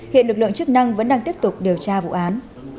hiện lực lượng chức năng vẫn đang tiếp tục điều tra vụ án